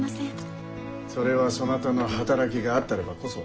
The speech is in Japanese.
それはそなたの働きがあったればこそ。